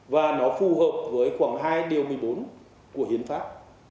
và nó phù hợp với khoảng hai điều một mươi bốn của hiến pháp